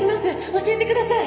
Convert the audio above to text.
教えてください。